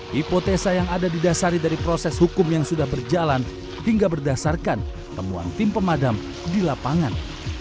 hipotesa yang ada didasari dari proses hukum yang sudah berjalan hingga berdasarkan temuan tim pemadam di lapangan